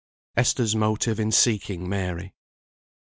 ESTHER'S MOTIVE IN SEEKING MARY.